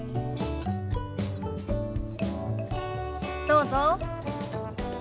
どうぞ。